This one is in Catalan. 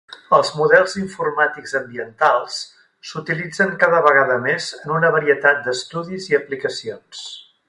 Els models informàtics ambientals s'utilitzen cada vegada més en una varietat d'estudis i aplicacions.